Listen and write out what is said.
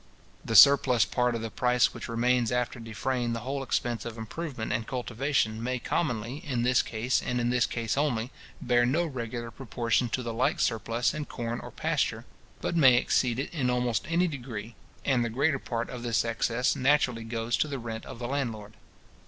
The surplus part of the price which remains after defraying the whole expense of improvement and cultivation, may commonly, in this case, and in this case only, bear no regular proportion to the like surplus in corn or pasture, but may exceed it in almost any degree; and the greater part of this excess naturally goes to the rent of the landlord.